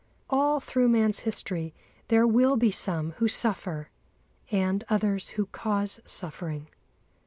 All through man's history there will be some who suffer, and others who cause suffering.